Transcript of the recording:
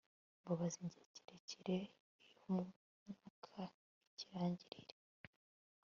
mbabaza, igihe kirekire, iyo myuka ikirangirire